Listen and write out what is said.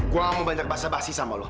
gue nggak mau banyak bahasa bahasa sama lu